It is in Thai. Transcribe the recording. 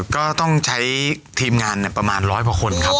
ก็ต้องใช้ทีมงานประมาณร้อยกว่าคนครับ